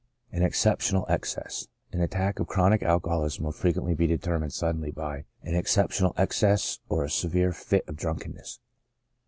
An exceptional Excess, — An attack of chronic alcoholism will frequently be determined suddenly by an exceptional excess or a severe fit of drunkenness.